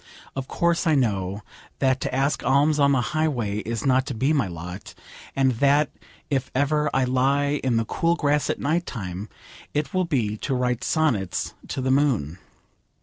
Of course I know that to ask alms on the highway is not to be my lot, and that if ever I lie in the cool grass at night time it will be to write sonnets to the moon.